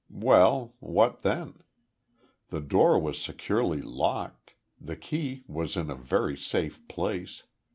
Well, what, then? The door was securely locked, the key was in a very safe place.